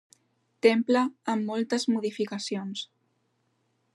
Temple amb moltes modificacions.